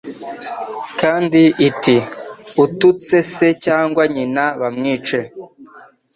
Kandi iti : Ututse se cyangwa nyina bamwice.